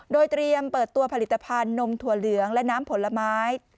โดยเตรียมเปิดตัวผลิตภัณฑ์นมถั่วเหลืองและน้ำผลไม้